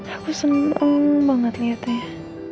aku seneng banget liatnya ya